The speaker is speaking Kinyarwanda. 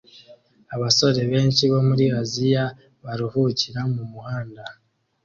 Abasore benshi bo muri Aziya baruhukira mumuhanda